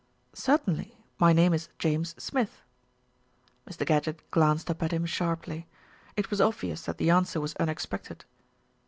"Certainly; my name is James Smith." Mr. Gadgett glanced up at him sharply. It was obvious that the answer was unexpected.